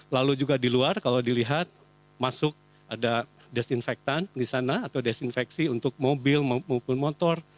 lalu juga di luar kalau dilihat masuk ada desinfektan di sana atau desinfeksi untuk mobil maupun motor